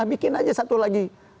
bikin aja satu lagi